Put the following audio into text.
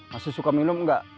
masih suka minum enggak